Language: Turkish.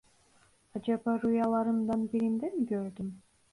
Acaba rüyalarımdan birinde mi gördüm?